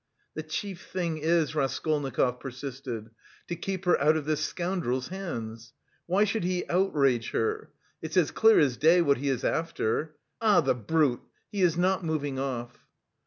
"The chief thing is," Raskolnikov persisted, "to keep her out of this scoundrel's hands! Why should he outrage her! It's as clear as day what he is after; ah, the brute, he is not moving off!"